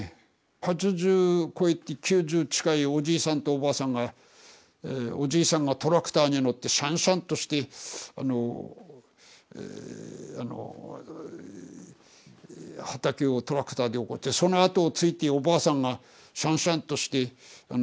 ８０こえて９０近いおじいさんとおばあさんがおじいさんがトラクターに乗ってしゃんしゃんとしてあの畑をトラクターで起こしてそのあとをついておばあさんがしゃんしゃんとして種まきをやってる。